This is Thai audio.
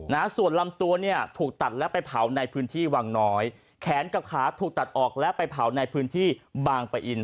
นะฮะส่วนลำตัวเนี่ยถูกตัดและไปเผาในพื้นที่วังน้อยแขนกับขาถูกตัดออกและไปเผาในพื้นที่บางปะอิน